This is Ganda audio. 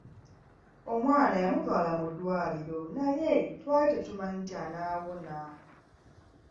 Omwana yamutwala mu ddwaliro naye twali tetumanyi nti anaawona.